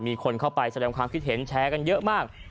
มีคนเข้าไปแสดงความคิดเห็นแชร์กันเยอะมาก